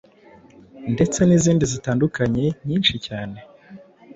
ndetse n’izindi zitandukanye nyinshi cyane.